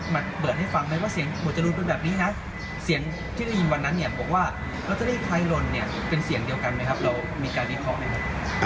มาเปิดให้ฟังไหมว่าเสียงหมดจรุนเป็นแบบนี้นะ